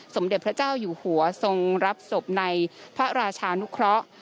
สมเด็จพระเจ้าอยู่หัวทรงรับศพในพระราชานุเคราะห์